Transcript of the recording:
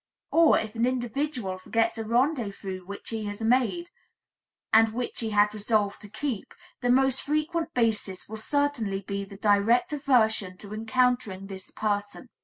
Or, if an individual forgets a rendezvous which he has made, and which he had resolved to keep, the most frequent basis will certainly be the direct aversion to encountering this person.